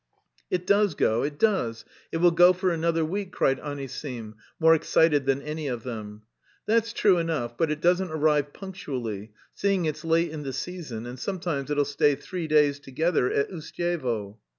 "It does go, it does, it will go for another week," cried Anisim, more excited than any of them. "That's true enough, but it doesn't arrive punctually, seeing it's late in the season, and sometimes it'll stay three days together at Ustyevo."